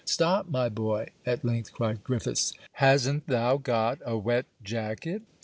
'Stop my boy,' at length, cried Griffiths; 'hasn't thou got a wet jacket?'